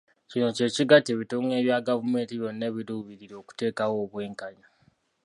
Kino kye kigatta ebitongole bya gavumenti byonna ebiruubirira okuteekawo obwenkanya.